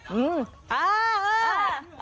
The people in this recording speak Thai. อืม